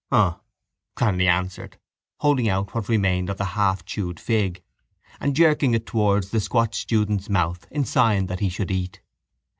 —Um, Cranly answered, holding out what remained of the half chewed fig and jerking it towards the squat student's mouth in sign that he should eat.